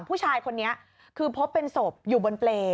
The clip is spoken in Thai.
ผู้ชายคนนี้คือพบเป็นศพอยู่บนเปรย์